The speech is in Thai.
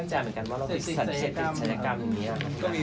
ว่าเราติดเศรษฐกรรมอย่างนี้